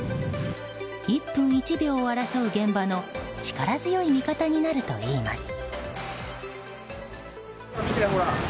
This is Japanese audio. １分１秒を争う現場の力強い味方になるといいます。